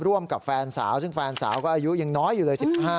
ร่วมกับแฟนสาวซึ่งแฟนสาวก็อายุยังน้อยอยู่เลย๑๕